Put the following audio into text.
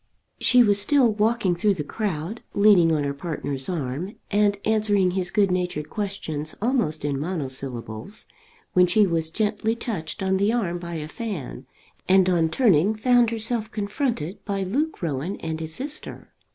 She was still walking through the crowd, leaning on her partner's arm, and answering his good natured questions almost in monosyllables, when she was gently touched on the arm by a fan, and on turning found herself confronted by Luke Rowan and his sister.